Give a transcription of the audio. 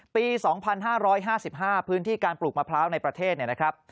ปี๒๕๕๕พื้นที่การปลูกมะพร้าวในประเทศเนี่ยนะครับ